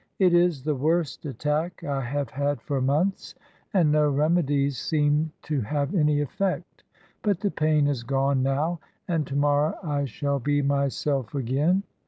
It is the worst attack I have had for months, and no remedies seemed to have any effect. But the pain has gone now, and to morrow I shall be myself again."